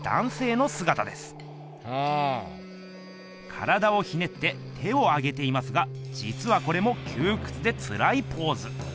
体をひねって手を上げていますがじつはこれもきゅうくつでつらいポーズ。